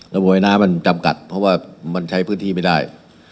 ระบบไอน้ำมันจำกัดเพราะว่ามันใช้พื้นที่ไม่ได้